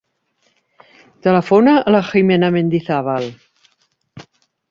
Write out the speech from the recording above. Telefona a la Jimena Mendizabal.